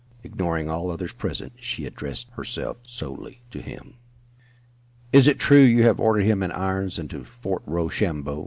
Ignoring all others present, she addressed herself solely to him. "Is it true you have ordered him in irons and to Fort Rochambeau?"